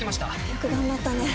よく頑張ったね